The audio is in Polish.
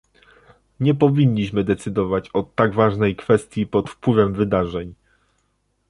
Nie powinniśmy decydować o tak ważnej kwestii pod wpływem wydarzeń